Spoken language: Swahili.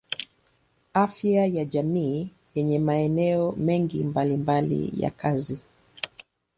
Afya ya jamii yenye maeneo mengi mbalimbali ya kazi.